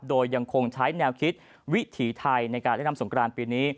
โดยยังคงใช้แนวคิดวิถีไทยในการเล่นน้ำสงกรานปีนี้